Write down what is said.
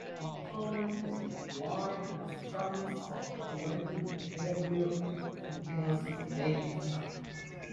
Empowerment has been applied in studies of collective behaviour and in continuous domains.